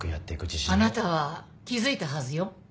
あなたは気付いたはずよ。